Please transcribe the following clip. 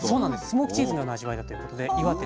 スモークチーズのような味わいだということで岩手